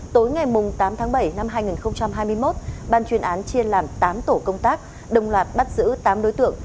tối ngày tám tháng bảy năm hai nghìn hai mươi một ban chuyên án chia làm tám tổ công tác đồng loạt bắt giữ tám đối tượng